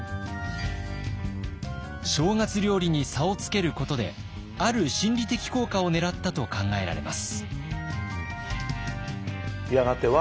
正月料理に差をつけることである心理的効果をねらったと考えられます。